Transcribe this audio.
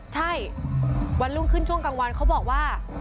ใช่วันรุ่งขึ้นช่วงกลางวันเขาบอกว่า